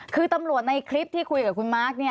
คือตำรวจในคลิปที่คุยกับคุณมาร์ค